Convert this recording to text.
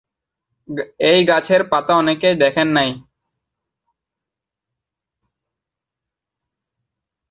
এই গাছের পাতা অনেকেই দেখেন নাই।